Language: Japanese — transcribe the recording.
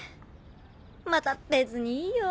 またっ別にいいよ。